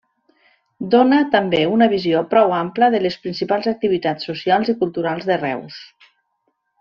Dóna també una visió prou ampla de les principals activitats socials i culturals de Reus.